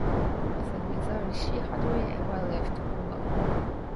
As a result, she hardly ever left Pola.